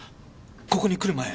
ここに来る前